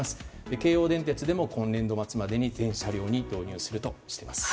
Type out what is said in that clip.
京王電鉄でも今年度末までに全車両に導入するとしています。